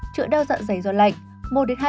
chữa đau dặn dày do lạnh